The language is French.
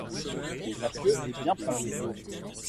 La queue est bien plantée.